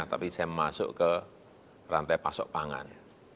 tapi saya masuk ke rantai pasok pangan